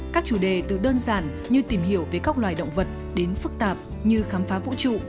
các chủ đề từ đơn giản như tìm hiểu về các loài động vật đến phức tạp như khám phá vũ trụ